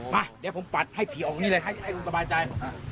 มาเดี๋ยวผมปัดให้ผีออกนี่เลยให้คุณสบายใจ